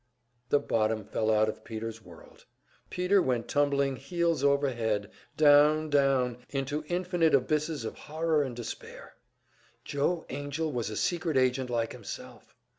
The bottom fell out of Peter's world; Peter went tumbling heels over head down, down into infinite abysses of horror and despair. Joe Angell was a secret agent like himself!